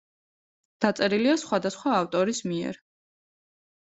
დაწერილია სხვადასხვა ავტორის მიერ.